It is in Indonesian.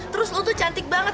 terus lu tuh cantik banget